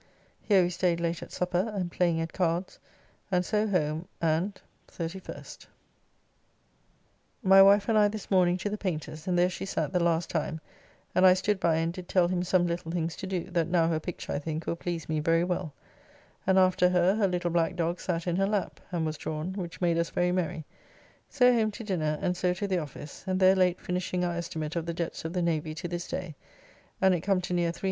Here we staid late at supper and playing at cards, and so home and 31st. My wife and I this morning to the Paynter's, and there she sat the last time, and I stood by and did tell him some little things to do, that now her picture I think will please me very well; and after her, her little black dogg sat in her lap; and was drawn, which made us very merry; so home to dinner, and so to the office; and there late finishing our estimate of the debts of the Navy to this day; and it come to near L374,000.